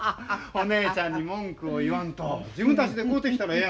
お姉ちゃんに文句を言わんと自分たちで買うてきたらええ